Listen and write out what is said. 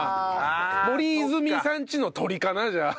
森泉さんちの鳥かなじゃあ。